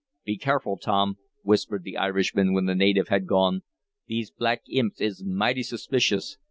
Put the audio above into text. "Be careful, Tom," whispered the Irishman, when the native had gone. "These black imps is mighty suspicious.